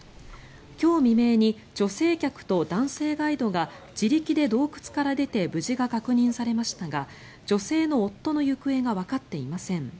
今日未明に女性客と男性ガイドが自力で洞窟から出て無事が確認されましたが女性の夫の行方がわかっていません。